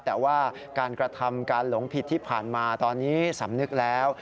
แต่ว่าการกระทำการหลงผิดที่ผ่านมาตอนนี้สำนึกแล้ว